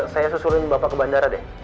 saya susurin bapak ke bandara deh